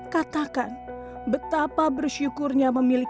katakan betapa bersyukurnya memilihmu